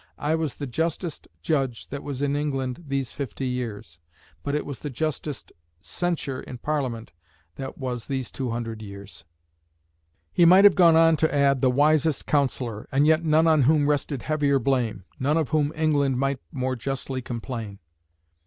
"_I was the justest judge that was in England these fifty years. But it was the justest censure in Parliament that was these two hundred years._" He might have gone on to add, "the Wisest Counsellor; and yet none on whom rested heavier blame; none of whom England might more justly complain."